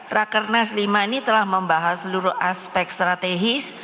raker naslimani telah membahas seluruh aspek strategis